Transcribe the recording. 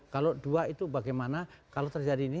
kalau dua itu bagaimana kalau terjadi ini